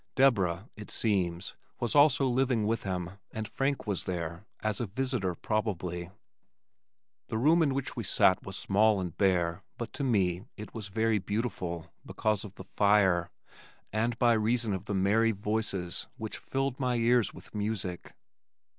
Deborah, it seems, was also living with him and Frank was there as a visitor probably. The room in which we sat was small and bare but to me it was very beautiful, because of the fire, and by reason of the merry voices which filled my ears with music.